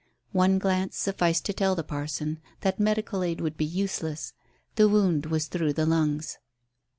One glance sufficed to tell the parson that medical aid would be useless. The wound was through the lungs.